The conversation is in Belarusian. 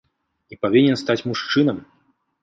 І павінен стаць мужчынам.